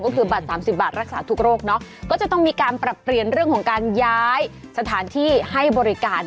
ก็คือบัตรสามสิบบาทรักษาทุกโรคเนาะก็จะต้องมีการปรับเปลี่ยนเรื่องของการย้ายสถานที่ให้บริการ